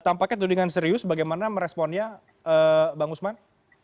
tampaknya itu dengan serius bagaimana meresponnya bang usman